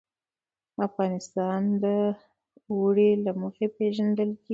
افغانستان د اوړي له مخې پېژندل کېږي.